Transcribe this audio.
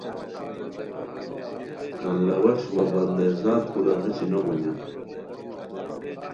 کان لاواش وا بندہ ذات کورا کا غیچھی نوگونیان